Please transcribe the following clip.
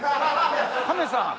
カメさん。